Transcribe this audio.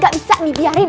gak bisa dibiarin